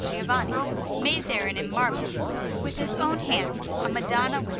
Giovanni, made therein in marble, with his own hand, a Madonna with S.